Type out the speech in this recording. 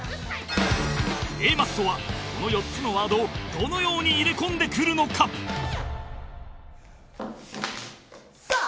Ａ マッソはこの４つのワードをどのように入れ込んでくるのか？さあ！